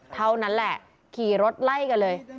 เท่านั้นแหละขี่รถไล่กันเลย